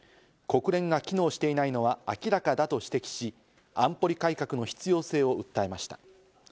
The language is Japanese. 国連が機能していないのは明らかだと指摘し、安保理改革の必要性を訴えました。